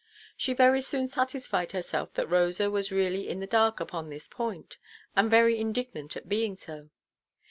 She very soon satisfied herself that Rosa was really in the dark upon this point, and very indignant at being so.